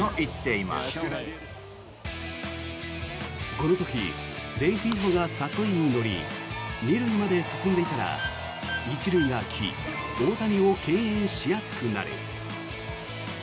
この時レンヒーフォが誘いに乗り２塁まで進んでいたら１塁が空き大谷を敬遠しやすくなる。